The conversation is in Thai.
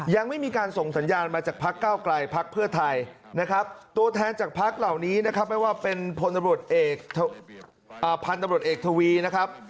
ยังไม่มีการส่งสัญญาณมาจากพักเก้าไกลพักเพื่อไทยนะครับตัวแทนจากพักเหล่านี้นะครับไม่ว่าเป็นพลตำรวจเอกพันธุ์ตำรวจเอกทวีนะครับ